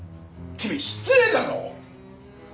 君失礼だぞ！